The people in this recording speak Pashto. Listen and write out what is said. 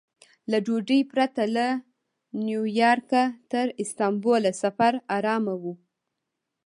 له ډوډۍ پرته له نیویارکه تر استانبوله سفر ارامه و.